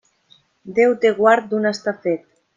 Déu te guard d'un està fet.